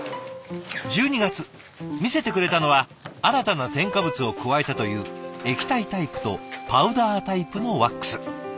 １２月見せてくれたのは新たな添加物を加えたという液体タイプとパウダータイプのワックス。